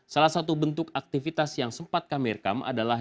salah satu bentuk aktivitas yang sempat kami rekam adalah